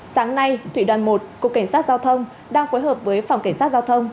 sáng nay thủy đoàn một cục cảnh sát giao thông đang phối hợp với phòng cảnh sát giao thông